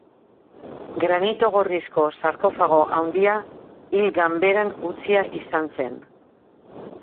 Granito gorrizko sarkofago handia hil ganberan utzia izan zen.